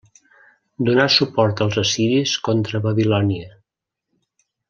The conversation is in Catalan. Donà suport als assiris contra Babilònia.